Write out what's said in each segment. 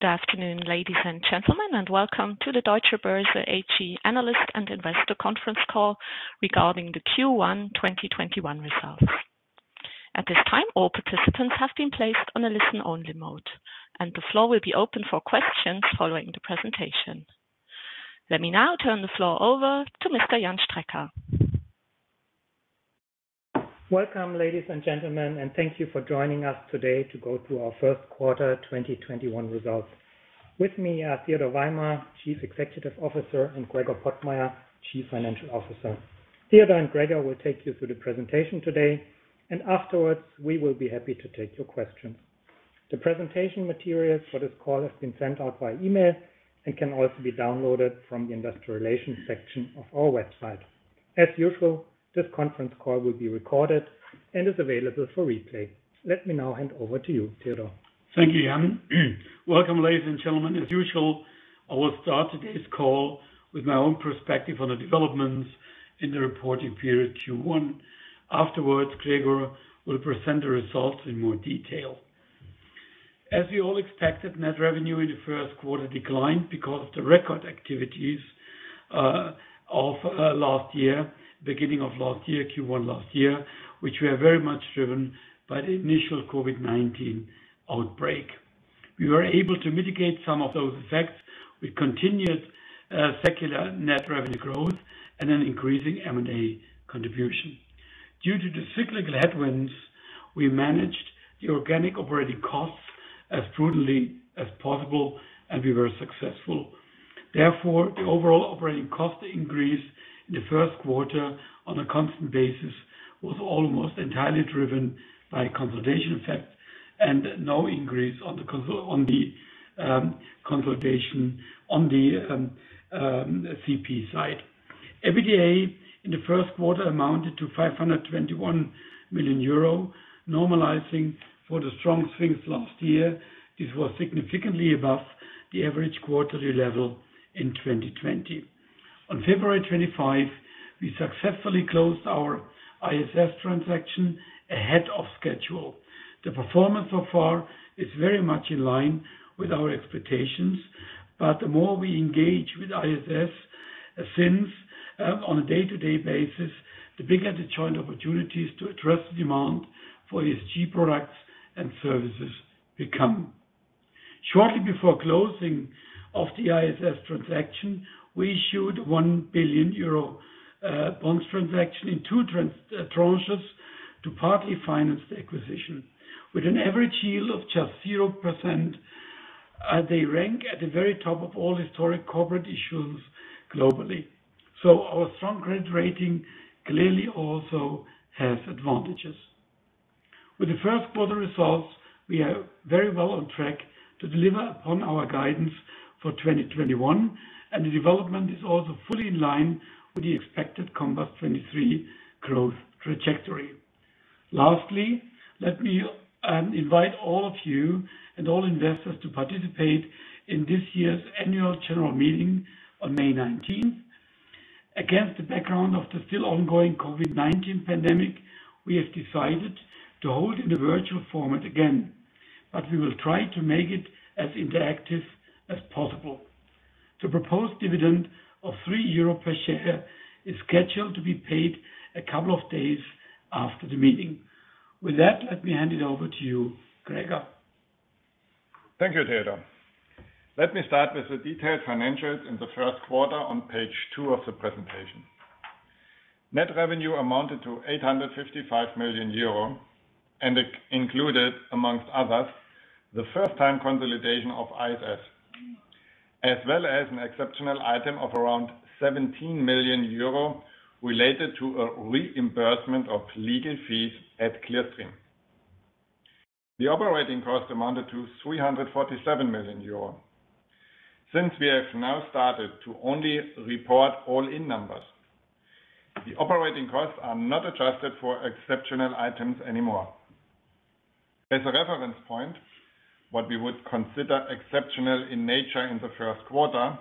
Good afternoon, ladies and gentlemen, and welcome to the Deutsche Börse AG analyst and investor conference call regarding the Q1 2021 results. At this time, all participants have been placed on a listen-only mode, and the floor will be open for questions following the presentation. Let me now turn the floor over to Mr. Jan Strecker. Welcome, ladies and gentlemen, thank you for joining us today to go through our first quarter 2021 results. With me are Theodor Weimer, Chief Executive Officer, and Gregor Pottmeyer, Chief Financial Officer. Theodor and Gregor will take you through the presentation today, and afterwards, we will be happy to take your questions. The presentation materials for this call have been sent out via email and can also be downloaded from the investor relations section of our website. As usual, this conference call will be recorded and is available for replay. Let me now hand over to you, Theodor. Thank you, Jan. Welcome, ladies and gentlemen. As usual, I will start today's call with my own perspective on the developments in the reporting period Q1. Afterwards, Gregor will present the results in more detail. As we all expected, net revenue in the first quarter declined because of the record activities of last year, beginning of last year, Q1 last year, which were very much driven by the initial COVID-19 outbreak. We were able to mitigate some of those effects with continued secular net revenue growth and an increasing M&A contribution. Due to the cyclical headwinds, we managed the organic operating costs as prudently as possible, and we were successful. The overall operating cost increase in the first quarter on a constant basis was almost entirely driven by consolidation effects and no increase on the consolidation on the CP side. EBITDA in the first quarter amounted to 521 million euro, normalizing for the strong swings last year. This was significantly above the average quarterly level in 2020. On February 25, we successfully closed our ISS transaction ahead of schedule. The performance so far is very much in line with our expectations, but the more we engage with ISS since on a day-to-day basis, the bigger the joint opportunities to address the demand for ESG products and services become. Shortly before closing of the ISS transaction, we issued 1 billion euro bonds transaction in two tranches to partly finance the acquisition. With an average yield of just 0%, they rank at the very top of all historic corporate issues globally. Our strong credit rating clearly also has advantages. With the first quarter results, we are very well on track to deliver upon our guidance for 2021, and the development is also fully in line with the expected Compass 2023 growth trajectory. Lastly, let me invite all of you and all investors to participate in this year's annual general meeting on May 19th. Against the background of the still ongoing COVID-19 pandemic, we have decided to hold in a virtual format again, but we will try to make it as interactive as possible. The proposed dividend of 3 euro per share is scheduled to be paid a couple of days after the meeting. With that, let me hand it over to you, Gregor. Thank you, Theodor. Let me start with the detailed financials in the first quarter on page two of the presentation. Net revenue amounted to 855 million euro and included, amongst others, the first-time consolidation of ISS, as well as an exceptional item of around 17 million euro related to a reimbursement of legal fees at Clearstream. The operating cost amounted to 347 million euro. Since we have now started to only report all-in numbers, the operating costs are not adjusted for exceptional items anymore. As a reference point, what we would consider exceptional in nature in the first quarter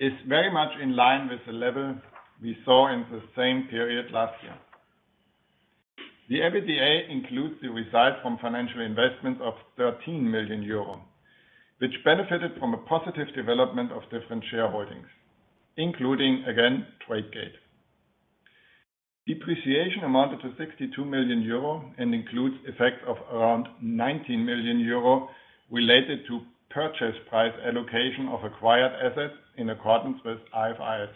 is very much in line with the level we saw in the same period last year. The EBITDA includes the result from financial investment of 13 million euro, which benefited from a positive development of different shareholdings, including, again, Tradegate. Depreciation amounted to 62 million euro and includes effects of around 19 million euro related to purchase price allocation of acquired assets in accordance with IFRS.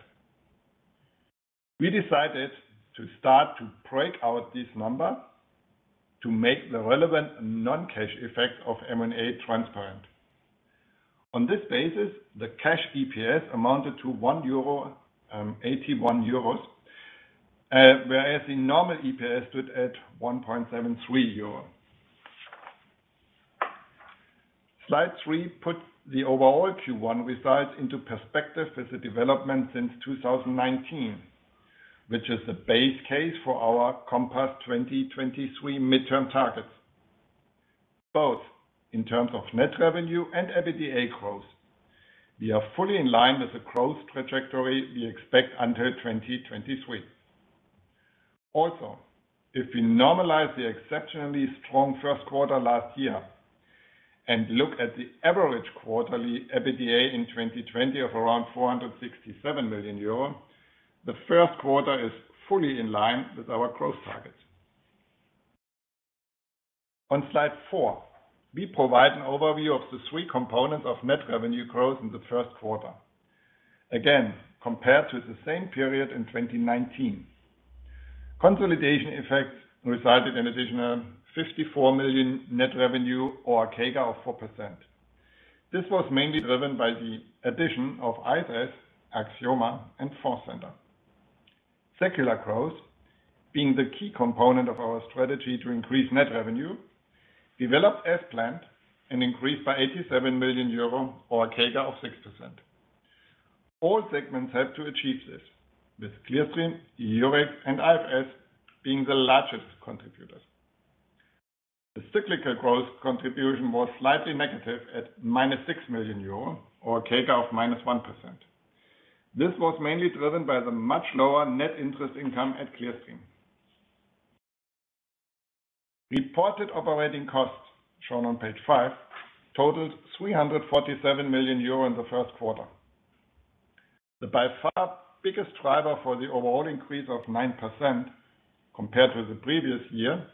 We decided to start to break out this number to make the relevant non-cash effect of M&A transparent. On this basis, the cash EPS amounted to 1.81 euro, whereas the normal EPS stood at 1.73 euro. Slide three puts the overall Q1 results into perspective with the development since 2019, which is the base case for our Compass 2023 midterm targets. Both in terms of net revenue and EBITDA growth, we are fully in line with the growth trajectory we expect until 2023. If we normalize the exceptionally strong first quarter last year and look at the average quarterly EBITDA in 2020 of around 467 million euro, the first quarter is fully in line with our growth targets. On slide four, we provide an overview of the three components of net revenue growth in the first quarter, again, compared to the same period in 2019. Consolidation effects resulted in additional 54 million net revenue or a CAGR of 4%. This was mainly driven by the addition of ISS, Axioma and Fondcenter. Secular growth, being the key component of our strategy to increase net revenue, developed as planned and increased by 87 million euro or a CAGR of 6%. All segments helped to achieve this, with Clearstream, Eurex and ISS being the largest contributors. The cyclical growth contribution was slightly negative at minus 6 million euro or a CAGR of minus 1%. This was mainly driven by the much lower net interest income at Clearstream. Reported operating costs, shown on page five, totaled 347 million euro in the first quarter. The by far biggest driver for the overall increase of 9%, compared to the previous year,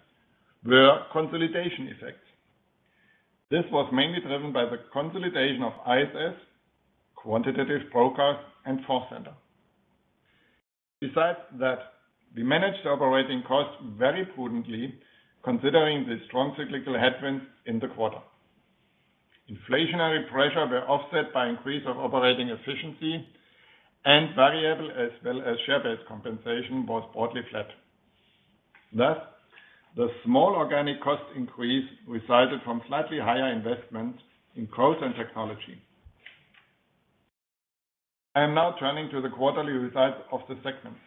were consolidation effects. This was mainly driven by the consolidation of ISS, Quantitative Brokers and Fondcenter. Besides that, we managed the operating costs very prudently, considering the strong cyclical headwinds in the quarter. Inflationary pressure were offset by increase of operating efficiency and variable as well as share-based compensation was broadly flat. Thus, the small organic cost increase resulted from slightly higher investment in growth and technology. I am now turning to the quarterly results of the segments.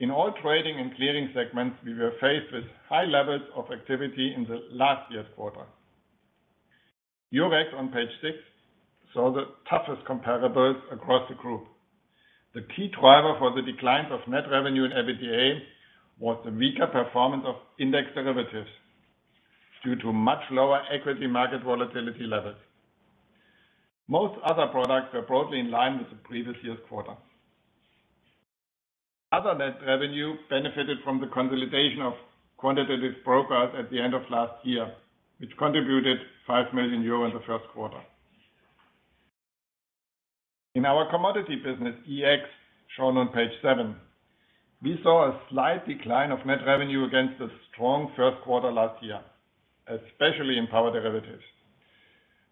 In all trading and clearing segments, we were faced with high levels of activity in the last year's quarter. Eurex on page six, saw the toughest comparables across the group. The key driver for the decline of net revenue and EBITDA was the weaker performance of index derivatives due to much lower equity market volatility levels. Most other products were broadly in line with the previous year's quarter. Other net revenue benefited from the consolidation of Quantitative Brokers at the end of last year, which contributed 5 million euro in the first quarter. In our commodity business, EEX, shown on page seven, we saw a slight decline of net revenue against the strong first quarter last year, especially in power derivatives.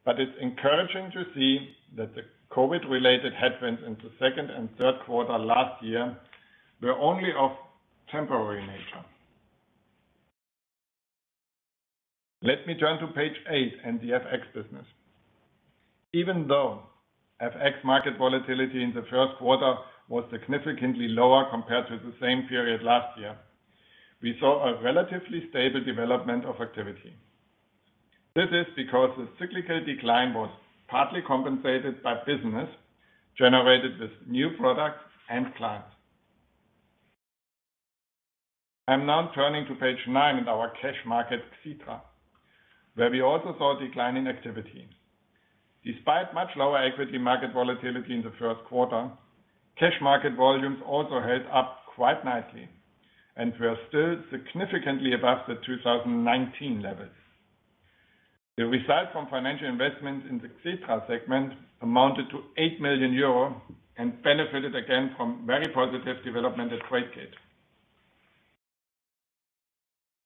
It's encouraging to see that the COVID-related headwinds in the second and third quarter last year were only of temporary nature. Let me turn to page eight and the FX business. Even though FX market volatility in the first quarter was significantly lower compared to the same period last year, we saw a relatively stable development of activity. This is because the cyclical decline was partly compensated by business generated with new products and clients. I'm now turning to page nine in our cash market, Xetra, where we also saw a decline in activity. Despite much lower equity market volatility in the first quarter, cash market volumes also held up quite nicely and were still significantly above the 2019 levels. The result from financial investment in the Xetra segment amounted to 8 million euro and benefited again from very positive development at Tradegate.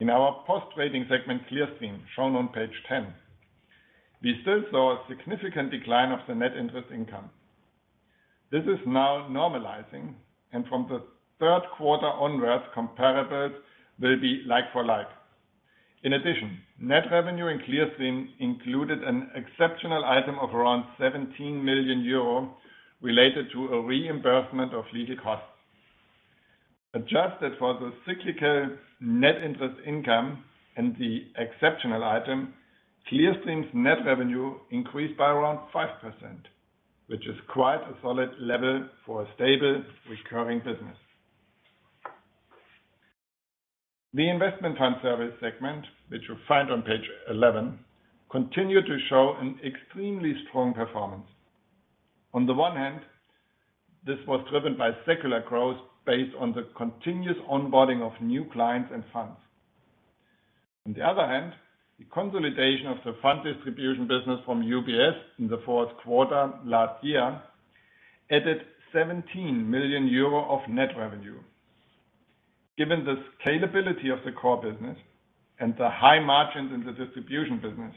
In our post-trading segment, Clearstream, shown on page 10, we still saw a significant decline of the net interest income. From the third quarter onwards, comparables will be like for like. In addition, net revenue in Clearstream included an exceptional item of around 17 million euro related to a reimbursement of legal costs. Adjusted for the cyclical net interest income and the exceptional item, Clearstream's net revenue increased by around 5%, which is quite a solid level for a stable recurring business. The investment fund service segment, which you'll find on page 11, continued to show an extremely strong performance. On the one hand, this was driven by secular growth based on the continuous onboarding of new clients and funds. On the other hand, the consolidation of the fund distribution business from UBS in the fourth quarter last year added 17 million euro of net revenue. Given the scalability of the core business and the high margins in the distribution business,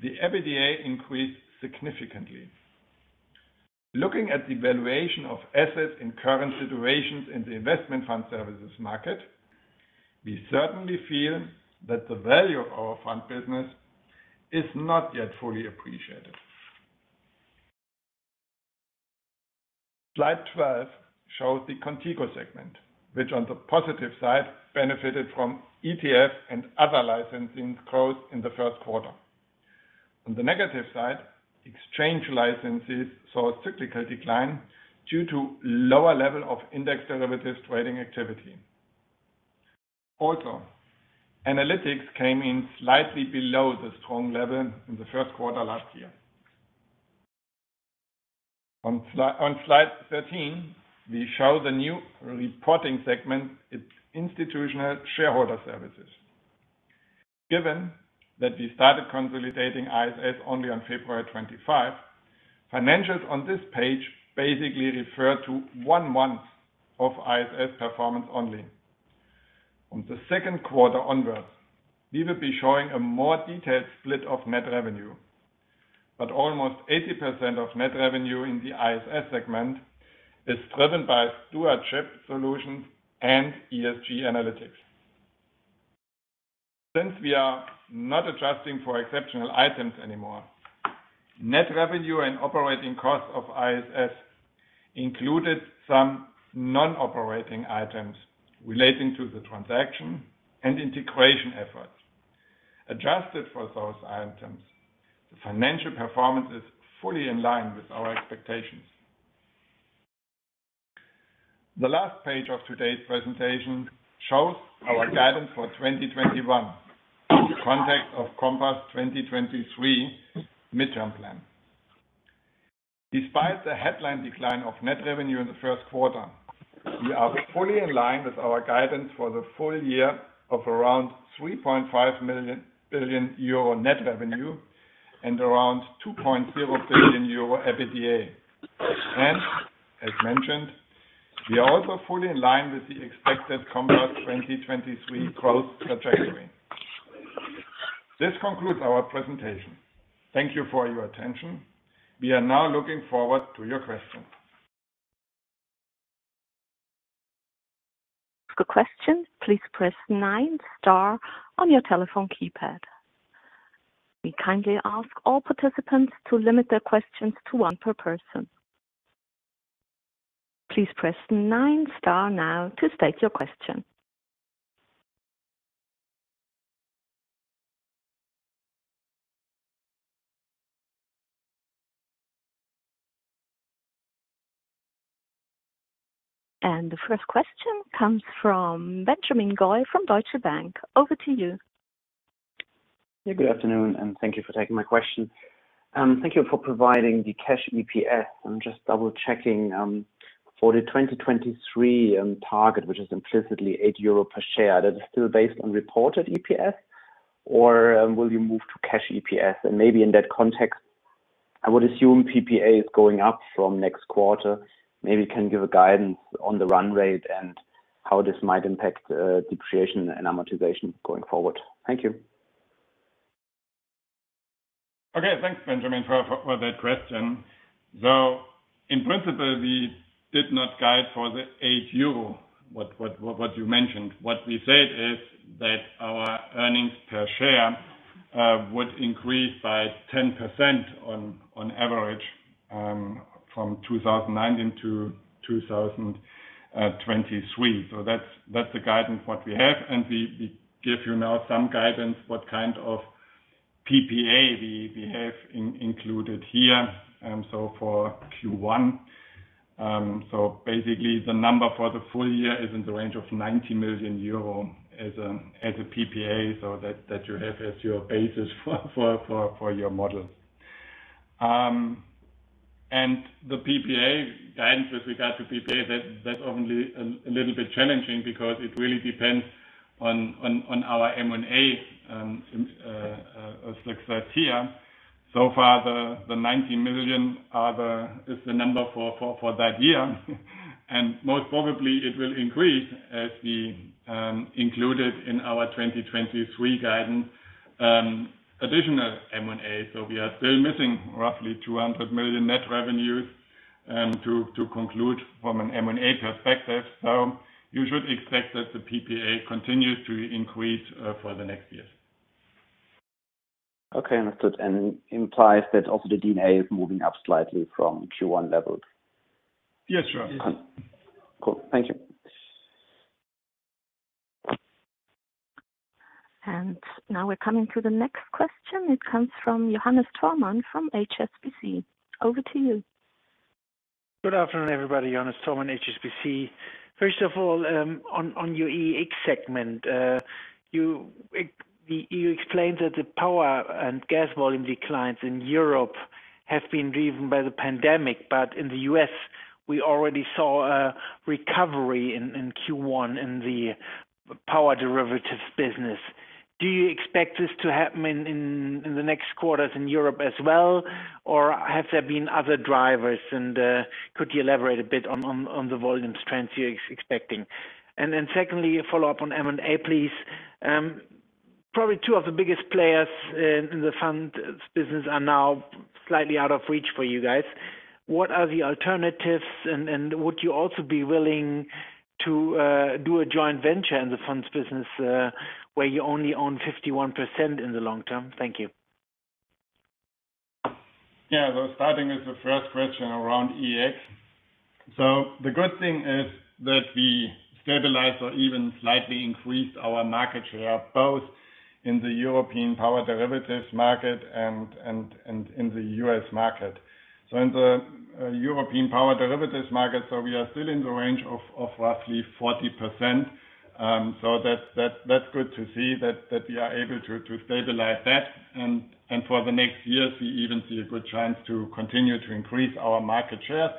the EBITDA increased significantly. Looking at the valuation of assets in current situations in the investment fund services market, we certainly feel that the value of our fund business is not yet fully appreciated. Slide 12 shows the Qontigo segment, which on the positive side, benefited from ETF and other licensing growth in the first quarter. On the negative side, exchange licenses saw a cyclical decline due to lower level of index derivatives trading activity. Analytics came in slightly below the strong level in the first quarter last year. On slide 13, we show the new reporting segment, Institutional Shareholder Services. Given that we started consolidating ISS only on February 25, financials on this page basically refer to one month of ISS performance only. On the second quarter onwards, we will be showing a more detailed split of net revenue. Almost 80% of net revenue in the ISS segment is driven by stewardship solutions and ESG analytics. Since we are not adjusting for exceptional items anymore, net revenue and operating costs of ISS included some non-operating items relating to the transaction and integration efforts. Adjusted for those items, the financial performance is fully in line with our expectations. The last page of today's presentation shows our guidance for 2021 in the context of Compass 2023 midterm plan. Despite the headline decline of net revenue in the first quarter, we are fully in line with our guidance for the full year of around 3.5 billion euro net revenue and around 2.0 billion euro EBITDA. As mentioned, we are also fully in line with the expected Compass 2023 growth trajectory. This concludes our presentation. Thank you for your attention. We are now looking forward to your questions. A question, please press nine star on your telephone keypad. We kindly ask all participants to limit their questions to one per person. Please press nine star now to state your question. The first question comes from Benjamin Goy from Deutsche Bank. Over to you. Hey, good afternoon. Thank you for taking my question. Thank you for providing the cash EPS. I'm just double-checking. For the 2023 target, which is implicitly 8 euro per share, that is still based on reported EPS or will you move to cash EPS? Maybe in that context, I would assume PPA is going up from next quarter. Maybe you can give a guidance on the run rate and how this might impact depreciation and amortization going forward. Thank you. Okay, thanks, Benjamin, for that question. In principle, we did not guide for the 8 euro, what you mentioned. What we said is that our earnings per share would increase by 10% on average from 2019 to 2023. That's the guidance what we have, and we give you now some guidance what kind of PPA we have included here. For Q1, basically the number for the full year is in the range of 90 million euro as a PPA. That you have as your basis for your model. The PPA guidance with regard to PPA, that's only a little bit challenging because it really depends on our M&A success here. Far, the 90 million is the number for that year. Most probably it will increase as we included in our 2023 guidance additional M&A. We are still missing roughly 200 million net revenues to conclude from an M&A perspective. You should expect that the PPA continues to increase for the next years. Okay, understood. Implies that also the D&A is moving up slightly from Q1 levels? Yes, sure. Cool. Thank you. Now we're coming to the next question. It comes from Johannes Thormann from HSBC. Over to you. Good afternoon, everybody. Johannes Thormann, HSBC. First of all, on your EEX segment, you explained that the power and gas volume declines in Europe have been driven by the pandemic. In the U.S., we already saw a recovery in Q1 in the power derivatives business. Do you expect this to happen in the next quarters in Europe as well, or have there been other drivers? Could you elaborate a bit on the volume trends you're expecting? Secondly, a follow-up on M&A, please. Probably two of the biggest players in the funds business are now slightly out of reach for you guys. What are the alternatives, and would you also be willing to do a joint venture in the funds business where you only own 51% in the long term? Thank you. Yeah. Starting with the first question around EEX. The good thing is that we stabilized or even slightly increased our market share, both in the European power derivatives market and in the U.S. market. In the European power derivatives market, we are still in the range of roughly 40%. That's good to see that we are able to stabilize that. For the next year, we even see a good chance to continue to increase our market share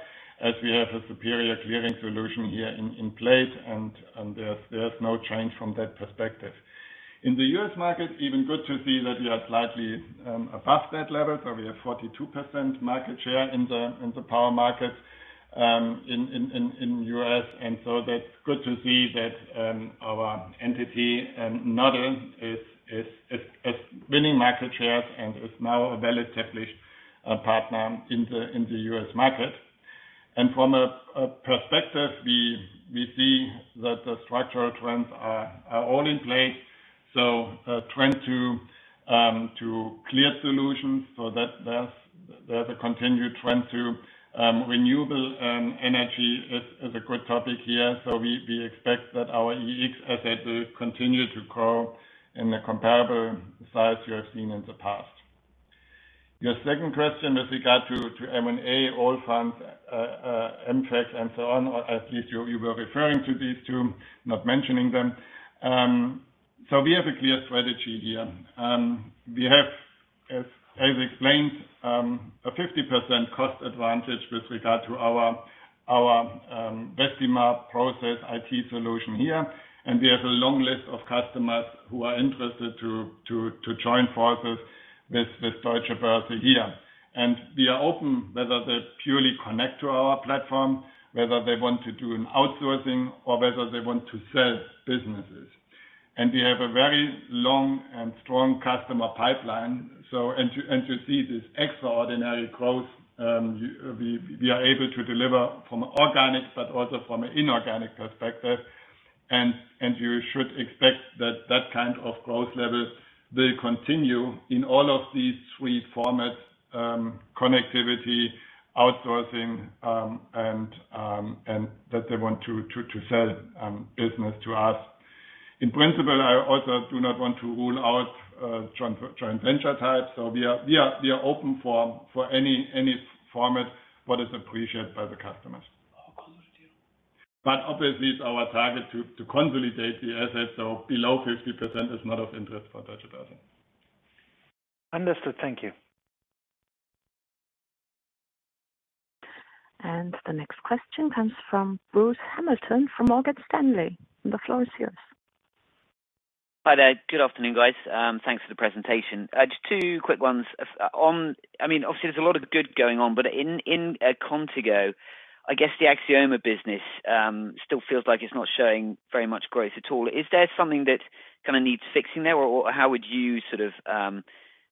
as we have a superior clearing solution here in place, and there's no change from that perspective. In the U.S. market, even good to see that we are slightly above that level. We have 42% market share in the power market in U.S. That's good to see that our entity, Nodal, is winning market shares and is now a well-established partner in the U.S. market. From a perspective, we see that the structural trends are all in place. Trend to clear solutions, there's a continued trend to renewable energy is a good topic here. We expect that our EEX assets will continue to grow in the comparable size you have seen in the past. Your second question with regard to M&A, Allfunds, MFEX, and so on, at least you were referring to these two, not mentioning them. We have a clear strategy here. We have, as explained, a 50% cost advantage with regard to our Vestima process IT solution here, and we have a long list of customers who are interested to join forces with Deutsche Börse here. We are open whether they purely connect to our platform, whether they want to do an outsourcing, or whether they want to sell businesses. We have a very long and strong customer pipeline. To see this extraordinary growth, we are able to deliver from organic, but also from an inorganic perspective. You should expect that that kind of growth level will continue in all of these three formats, connectivity, outsourcing, and that they want to sell business to us. In principle, I also do not want to rule out joint venture types. We are open for any format, what is appreciated by the customers. Oh, got you. Obviously, it's our target to consolidate the assets, so below 50% is not of interest for Deutsche Börse. Understood. Thank you. The next question comes from Bruce Hamilton from Morgan Stanley. The floor is yours. Hi there. Good afternoon, guys. Thanks for the presentation. Just two quick ones. Obviously, there's a lot of good going on, but in Qontigo, I guess the Axioma business still feels like it's not showing very much growth at all. Is there something that needs fixing there, or how would you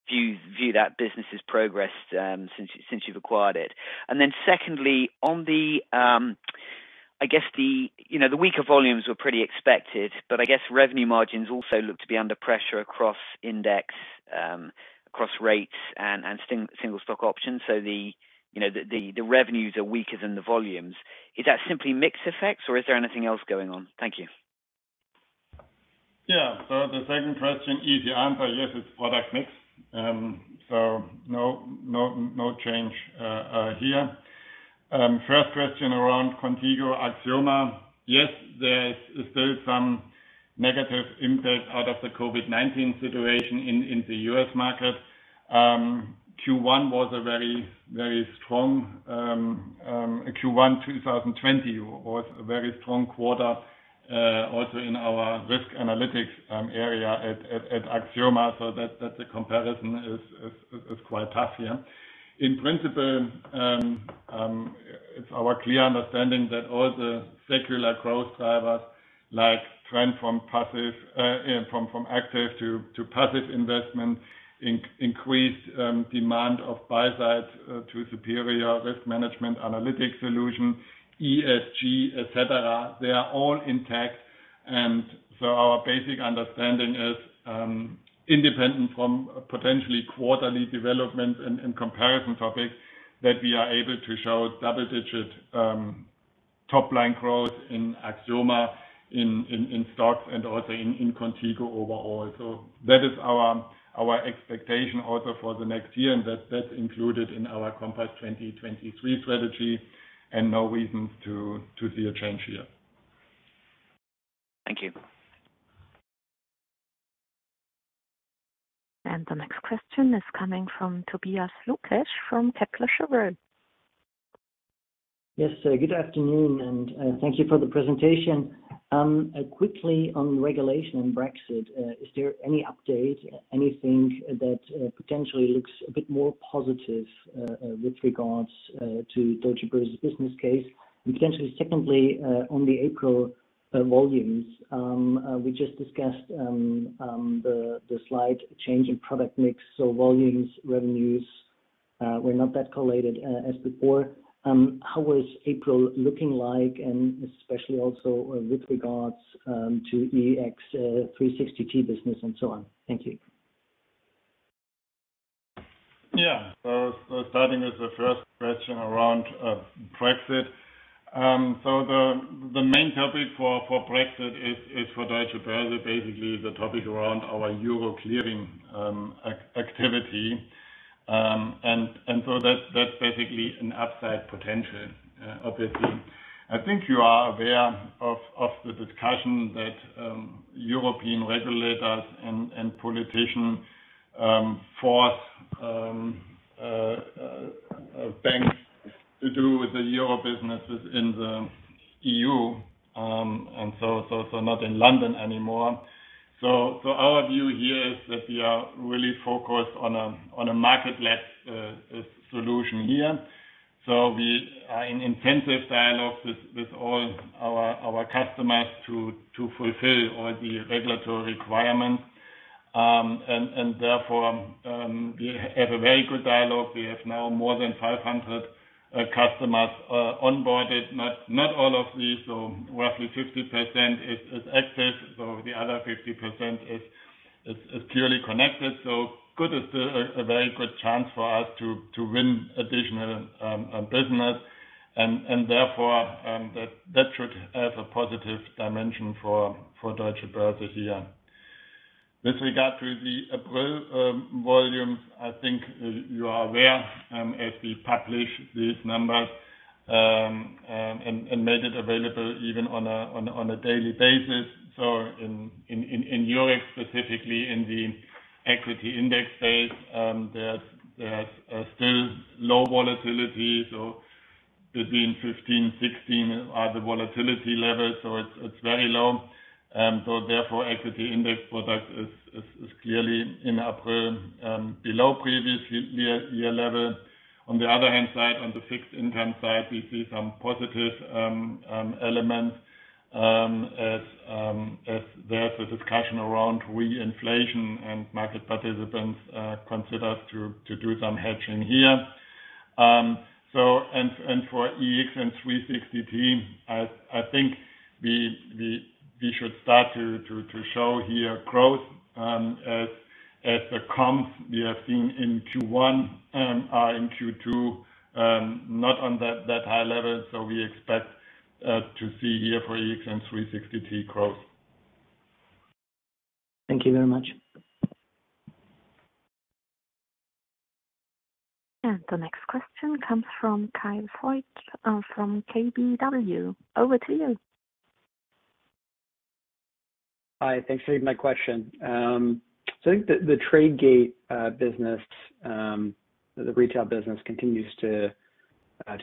view that business's progress since you've acquired it? Secondly, I guess the weaker volumes were pretty expected, but I guess revenue margins also look to be under pressure across index, across rates, and single stock options. The revenues are weaker than the volumes. Is that simply mix effects, or is there anything else going on? Thank you. The second question, easy answer. Yes, it's product mix. No change here. First question around Qontigo, Axioma. Yes, there is still some negative impact out of the COVID-19 situation in the U.S. market. Q1 2021 was a very strong quarter, also in our risk analytics area at Axioma. That the comparison is quite tough here. In principle, it's our clear understanding that all the secular growth drivers like trend from active to passive investment, increased demand of buy side to superior risk management analytics solution, ESG, et cetera, they are all intact. Our basic understanding is independent from potentially quarterly developments and comparison topics that we are able to show double-digit top-line growth in Axioma in STOXX and also in Qontigo overall. That is our expectation also for the next year, and that's included in our Compass 2023 strategy and no reasons to see a change here. Thank you. The next question is coming from Tobias Lukesch from Kepler Cheuvreux. Yes, good afternoon, thank you for the presentation. Quickly on regulation and Brexit, is there any update, anything that potentially looks a bit more positive with regards to Deutsche Börse's business case? Potentially secondly on the April volumes. We just discussed the slight change in product mix, so volumes, revenues were not that correlated as before. How was April looking like, and especially also with regards to EEX 360T business and so on? Thank you. Starting with the first question around Brexit. The main topic for Brexit is for Deutsche Börse, basically the topic around our Euro clearing activity. That's basically an upside potential, obviously. I think you are aware of the discussion that European regulators and politician force banks to do the Euro businesses in the EU, not in London anymore. Our view here is that we are really focused on a market-led solution here. We are in intensive dialogue with all our customers to fulfill all the regulatory requirements. Therefore, we have a very good dialogue. We have now more than 500 customers onboarded, not all of these. Roughly 50% is accessed, so the other 50% is clearly connected. Still a very good chance for us to win additional business. Therefore, that should have a positive dimension for Deutsche Börse this year. With regard to the April volumes, I think you are aware, as we publish these numbers, and made it available even on a daily basis. In Eurex, specifically in the equity index space, there's still low volatility. Between 15, 16 are the volatility levels, so it's very low. Therefore, equity index product is clearly in April below previous year level. On the other hand side, on the fixed income side, we see some positive elements, as there is a discussion around re-inflation and market participants consider to do some hedging here. For EEX and 360T, I think we should start to show here growth, as the comps we have seen in Q1 are in Q2, not on that high level. We expect to see here for EEX and 360T growth. Thank you very much. The next question comes from Kyle Voigt from KBW. Over to you. Hi, thanks for taking my question. I think the Tradegate business, the retail business continues to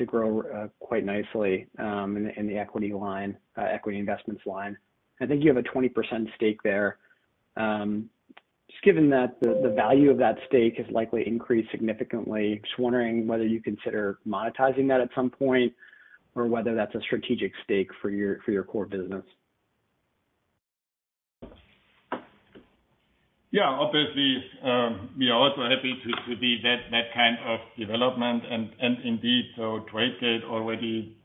grow quite nicely in the equity investments line. I think you have a 20% stake there. Just given that the value of that stake has likely increased significantly, just wondering whether you consider monetizing that at some point, or whether that's a strategic stake for your core business. Obviously, we are also happy to see that kind of development, indeed, Tradegate already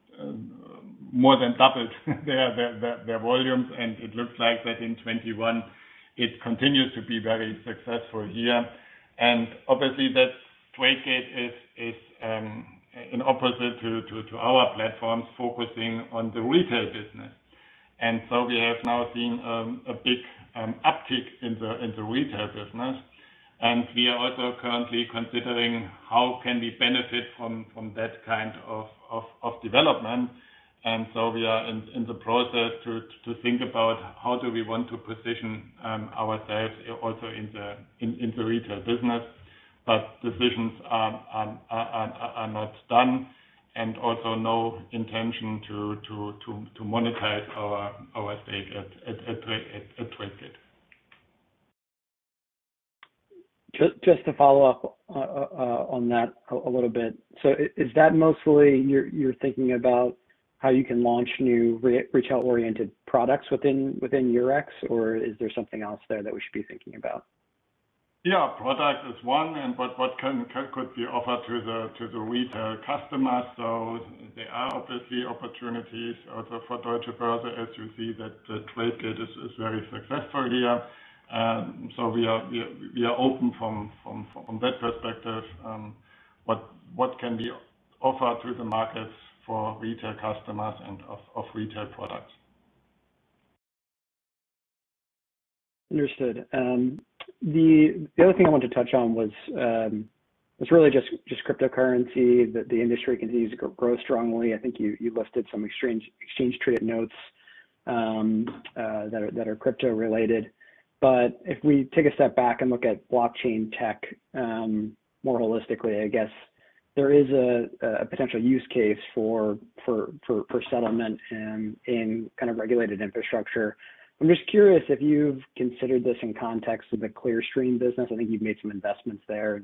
more than doubled their volumes, and it looks like that in 2021, it continues to be very successful here. Obviously that Tradegate is in opposite to our platforms focusing on the retail business. We have now seen a big uptick in the retail business. We are also currently considering how can we benefit from that kind of development. We are in the process to think about how do we want to position ourselves also in the retail business. Decisions are not done, and also no intention to monetize our stake at Tradegate. Just to follow up on that a little bit. Is that mostly you're thinking about how you can launch new retail-oriented products within Eurex, or is there something else there that we should be thinking about? Yeah. Product is one, what can could be offered to the retail customers. There are obviously opportunities also for Deutsche Börse, as you see that Tradegate is very successful here. We are open from that perspective, what can be offered to the markets for retail customers and of retail products. Understood. The other thing I wanted to touch on was really just cryptocurrency, that the industry continues to grow strongly. I think you listed some exchange traded notes that are crypto related. If we take a step back and look at blockchain tech more holistically, I guess there is a potential use case for settlement in kind of regulated infrastructure. I'm just curious if you've considered this in context of the Clearstream business. I think you've made some investments there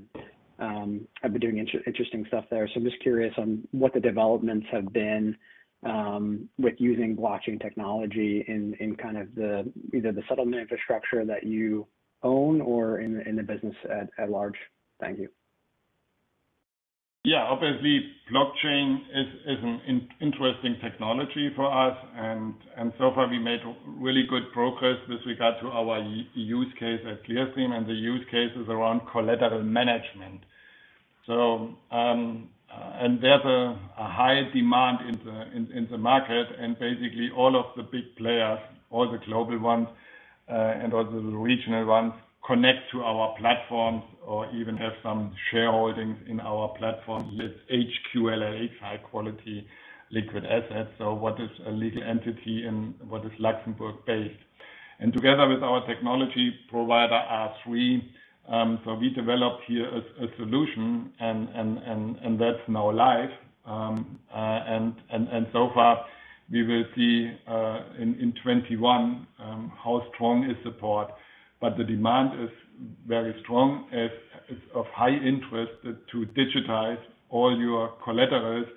and have been doing interesting stuff there. I'm just curious on what the developments have been, with using blockchain technology in kind of either the settlement infrastructure that you own, or in the business at large. Thank you. Obviously, blockchain is an interesting technology for us. So far we made really good progress with regard to our use case at Clearstream and the use cases around collateral management. There's a high demand in the market. Basically all of the big players, all the global ones, and all the regional ones, connect to our platforms or even have some shareholdings in our platform with HQLA, high-quality liquid assets, which is a legal entity and which is Luxembourg-based. Together with our technology provider, R3, we developed here a solution, and that's now live. So far, we will see in 2021 how strong is support. The demand is very strong. It's of high interest to digitize all your collaterals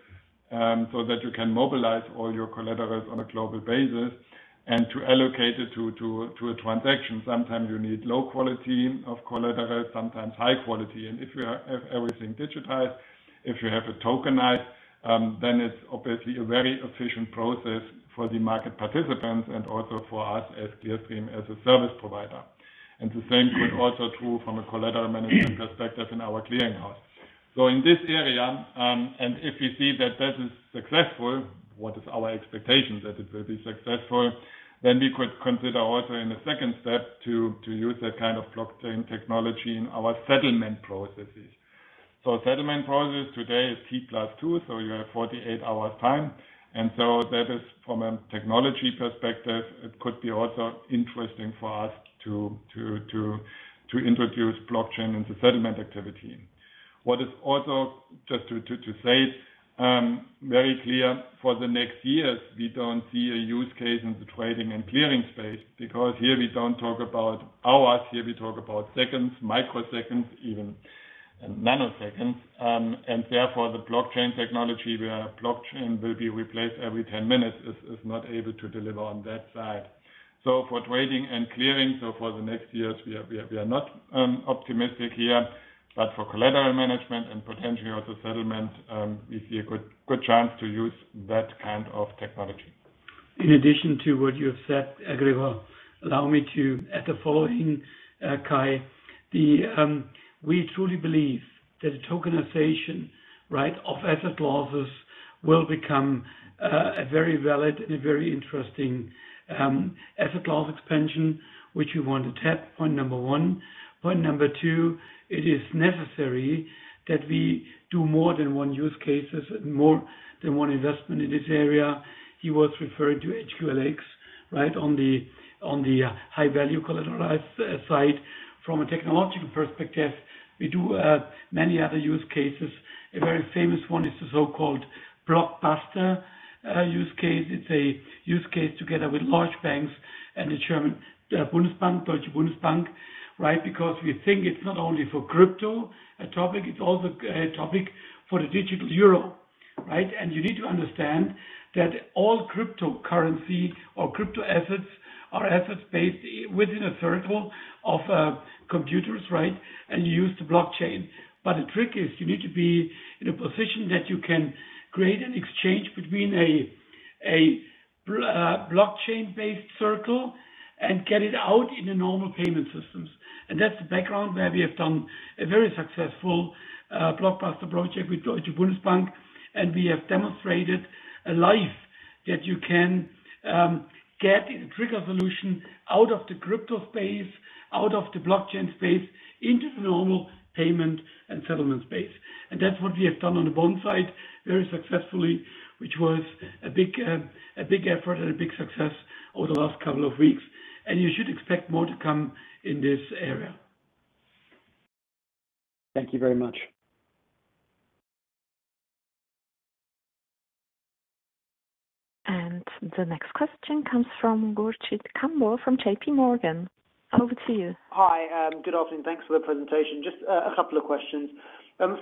so that you can mobilize all your collaterals on a global basis, and to allocate it to a transaction. Sometimes you need low quality of collateral, sometimes high quality. If you have everything digitized, if you have it tokenized, then it's obviously a very efficient process for the market participants and also for us as Clearstream, as a service provider. The same is also true from a collateral management perspective in our clearing house. In this area, and if we see that that is successful, what is our expectation that it will be successful, then we could consider also in the second step to use that kind of blockchain technology in our settlement processes. Settlement process today is T+2, so you have 48 hours time. That is from a technology perspective, it could be also interesting for us to introduce blockchain into settlement activity. What is also, just to say, very clear, for the next years, we don't see a use case in the trading and clearing space because here we don't talk about hours, here we talk about seconds, microseconds, even nanoseconds. Therefore, the blockchain technology where blockchain will be replaced every 10 minutes is not able to deliver on that side. For trading and clearing, so for the next years, we are not optimistic here, but for collateral management and potentially also settlement, we see a good chance to use that kind of technology. In addition to what you have said, Gregor, allow me to add the following, Kyle. We truly believe that the tokenization of asset classes will become a very valid and a very interesting asset class expansion, which we want to tap. Point number one. Point number two, it is necessary that we do more than one use cases and more than one investment in this area. He was referring to HQLAx, on the high-value collateralized side. From a technological perspective, we do many other use cases. A very famous one is the so-called BLOCKBASTER use case. It's a use case together with large banks and the German Bundesbank, Deutsche Bundesbank. We think it's not only for crypto, a topic, it's also a topic for the digital euro. You need to understand that all cryptocurrency or crypto assets are assets based within a circle of computers, and you use the blockchain. The trick is you need to be in a position that you can create an exchange between a blockchain-based circle and get it out in the normal payment systems. That's the background where we have done a very successful BLOCKBASTER project with Deutsche Bundesbank, and we have demonstrated a life that you can get a trigger solution out of the crypto space, out of the blockchain space, into the normal payment and settlement space. That's what we have done on the bond side very successfully, which was a big effort and a big success over the last couple of weeks. You should expect more to come in this area. Thank you very much. The next question comes from Gurjit Kambo from JPMorgan. Over to you. Hi. Good afternoon. Thanks for the presentation. Just a couple of questions.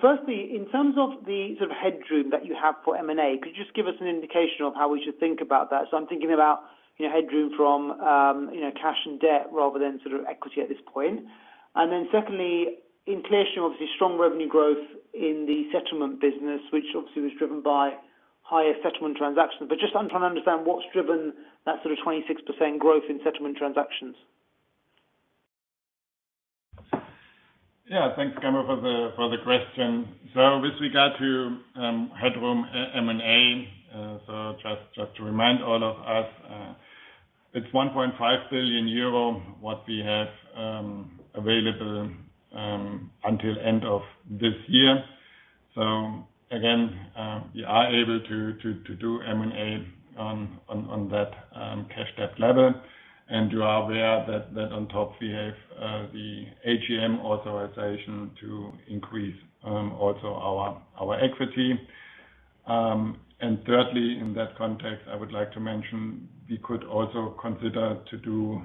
Firstly, in terms of the sort of headroom that you have for M&A, could you just give us an indication of how we should think about that? I'm thinking about headroom from cash and debt rather than equity at this point. Secondly, in relation, obviously, strong revenue growth in the settlement business, which obviously was driven by higher settlement transactions. Just I'm trying to understand what's driven that sort of 26% growth in settlement transactions. Yeah. Thanks, Gurjit, for the question. With regard to headroom M&A, just to remind all of us, it's 1.5 billion euro what we have available until end of this year. Again, we are able to do M&A on that cash debt level. You are aware that on top we have the AGM authorization to increase also our equity. Thirdly, in that context, I would like to mention we could also consider to do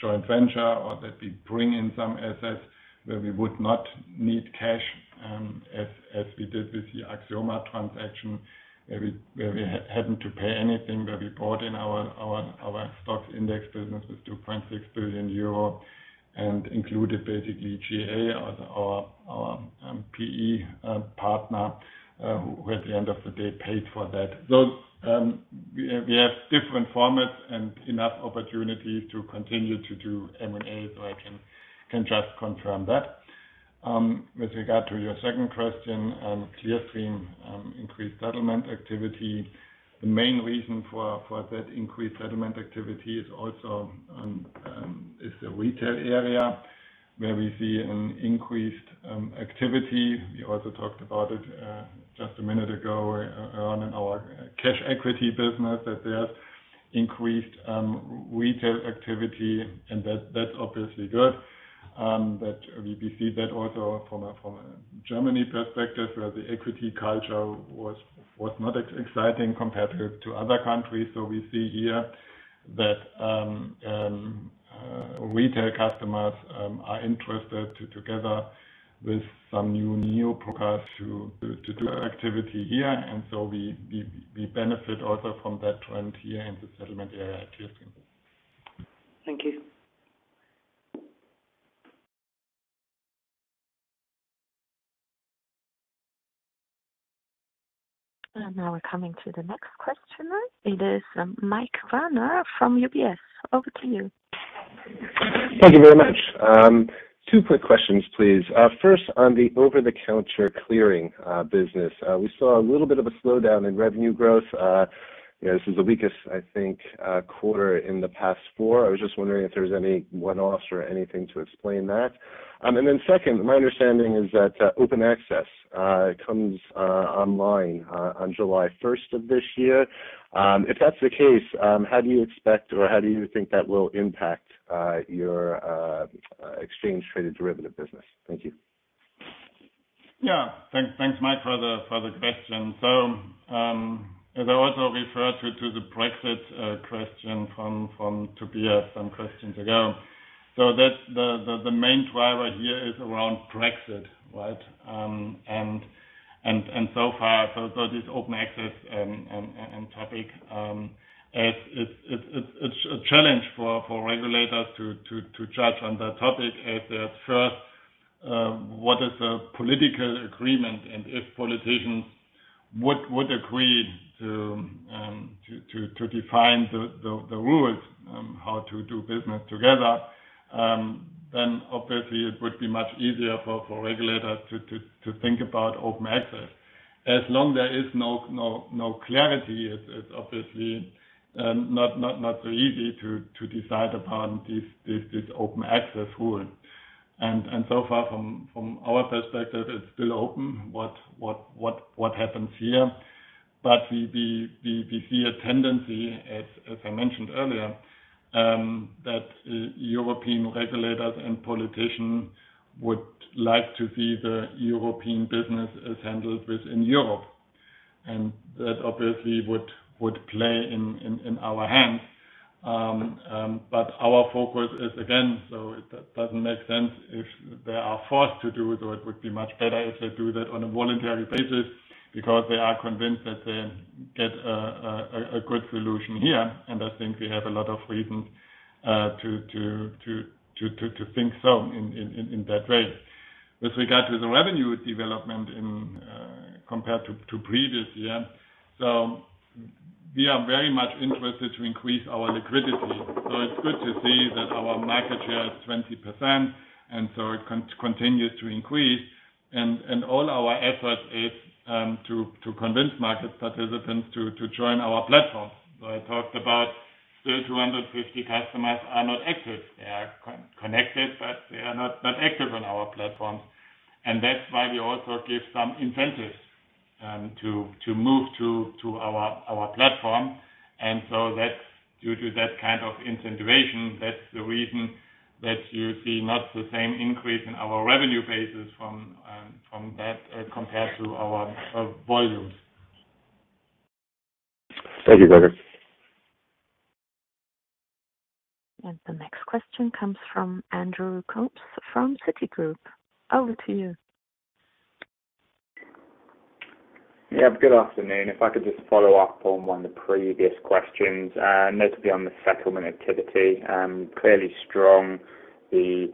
joint venture or that we bring in some assets where we would not need cash, as we did with the Axioma transaction, where we hadn't to pay anything, where we brought in our stock index business with 2.6 billion euro and included basically GIC or our PE partner who at the end of the day, paid for that. We have different formats and enough opportunities to continue to do M&A, so I can just confirm that. With regard to your second question on Clearstream increased settlement activity, the main reason for that increased settlement activity is the retail area, where we see an increased activity. We also talked about it just a minute ago, in our cash equity business, that there's increased retail activity, and that's obviously good. We see that also from a Germany perspective, where the equity culture was not as exciting compared to other countries. We see here that retail customers are interested to together with some new neo-brokers to do activity here. We benefit also from that trend here in the settlement area at Clearstream. Thank you. Now we're coming to the next questioner. It is Michael Werner from UBS. Over to you. Thank you very much. Two quick questions, please. First, on the over-the-counter clearing business. We saw a little bit of a slowdown in revenue growth. This is the weakest, I think, quarter in the past four. I was just wondering if there's any one-offs or anything to explain that. Second, my understanding is that Open Access comes online on July 1st of this year. If that's the case, how do you expect, or how do you think that will impact your exchange traded derivative business? Thank you. Thanks, Michael, for the question. As I also referred to the Brexit question from Tobias some questions ago. The main driver here is around Brexit, right? So far, this Open Access topic, it's a challenge for regulators to judge on that topic as at first, what is a political agreement? If politicians would agree to define the rules on how to do business together, then obviously it would be much easier for regulators to think about Open Access. As long there is no clarity, it's obviously not so easy to decide upon this Open Access rule. So far from our perspective, it's still open what happens here. We see a tendency, as I mentioned earlier, that European regulators and politician would like to see the European business as handled within Europe. That obviously would play in our hands. Our focus is, again, it doesn't make sense if they are forced to do it, or it would be much better if they do that on a voluntary basis because they are convinced that they get a good solution here. I think we have a lot of reasons to think so in that way. With regard to the revenue development compared to previous year, we are very much interested to increase our liquidity. It's good to see that our market share is 20%, it continues to increase. All our effort is to convince market participants to join our platform. I talked about still 250 customers are not active. They are connected, but they are not that active on our platform. That's why we also give some incentives to move to our platform. That's due to that kind of incentivation. That's the reason that you see not the same increase in our revenue basis from that compared to our volumes. Thank you, Gregor. The next question comes from Andrew Coombs from Citigroup. Over to you. Yeah. Good afternoon. If I could just follow up on one of the previous questions, notably on the settlement activity. Clearly strong. The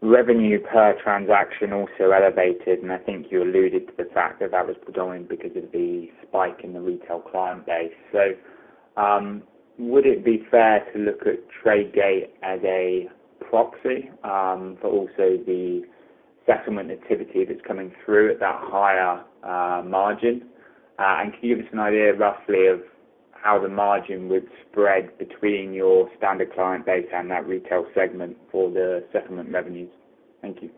revenue per transaction also elevated, and I think you alluded to the fact that that was predominantly because of the spike in the retail client base. Would it be fair to look at Tradegate as a proxy for also the settlement activity that's coming through at that higher margin? Can you give us an idea roughly of how the margin would spread between your standard client base and that retail segment for the settlement revenues? Thank you.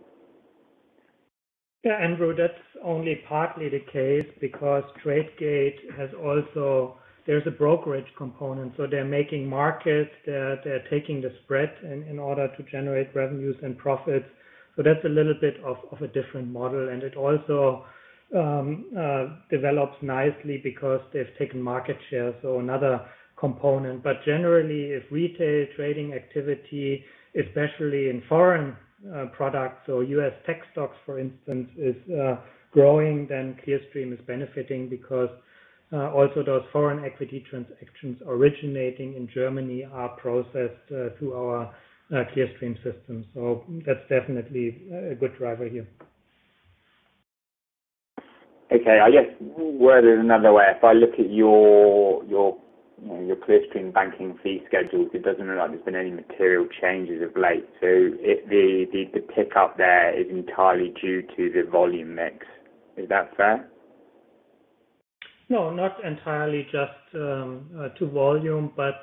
Yeah, Andrew, that's only partly the case because Tradegate has also there's a brokerage component. They're making markets. They're taking the spread in order to generate revenues and profits. That's a little bit of a different model, and it also develops nicely because they've taken market share, so another component. Generally, if retail trading activity, especially in foreign products or U.S. tech STOXX, for instance, is growing, then Clearstream is benefiting because also those foreign equity transactions originating in Germany are processed through our Clearstream system. That's definitely a good driver here. Okay. I guess worded another way, if I look at your Clearstream banking fee schedules, it doesn't look like there's been any material changes of late. If the pick-up there is entirely due to the volume mix, is that fair? No, not entirely just to volume, but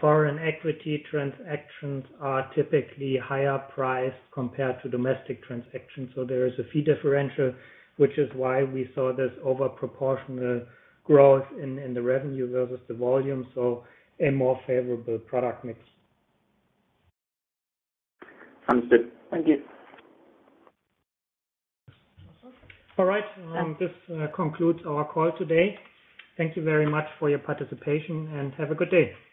foreign equity transactions are typically higher priced compared to domestic transactions. There is a fee differential, which is why we saw this over proportional growth in the revenue versus the volume. A more favorable product mix. Sounds good. Thank you. All right. This concludes our call today. Thank you very much for your participation, and have a good day. Thank you.